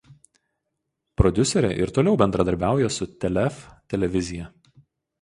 Prodiuserė ir toliau bendradarbiauja su "Telefe" televizija.